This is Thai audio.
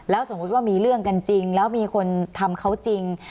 สมมุติว่ามีเรื่องกันจริงแล้วมีคนทำเขาจริง